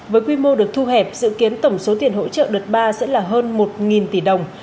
với quy mô được thu hẹp dự kiến tổng số tiền hỗ trợ đợt ba sẽ là hơn một tỷ đồng